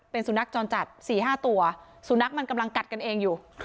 เป็นสุนัขจรจัด๔๕ตัวสุนัขมันกำลังกัดกันเองอยู่